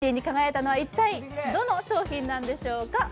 見事１位に輝いたのは一体どの商品なんでしょうか。